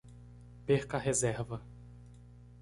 Perca a reserva